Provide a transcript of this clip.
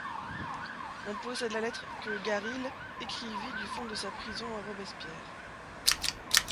On possède la lettre que Garilhe écrivit du fond de sa prison à Robespierre.